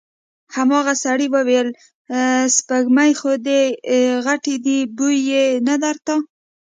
هماغه سړي وويل: سپږمې خو دې غټې دې، بوی يې نه درته؟